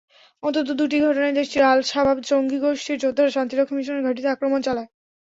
অন্তত দুটি ঘটনায় দেশটির আল-শাবাব জঙ্গিগোষ্ঠীর যোদ্ধারা শান্তিরক্ষা মিশনের ঘাঁটিতে আক্রমণ চালায়।